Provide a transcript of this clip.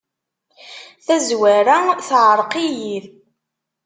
Tazwara teεreq-iyi.